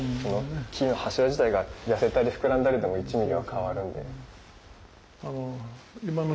木の柱自体が痩せたり膨らんだりでも１ｍｍは変わるんで。